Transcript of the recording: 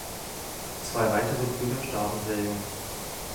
Zwei weitere Brüder starben sehr jung.